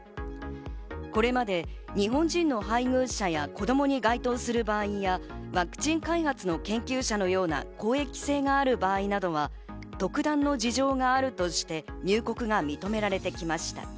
これまで日本人の配偶者や子供に該当する場合やワクチン開発の研究者のような公益性がある場合などは特段の事情があるとして入国が認められてきました。